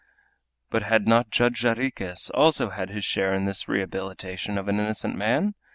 But had not Judge Jarriquez also had his share in this rehabilitation of an innocent man?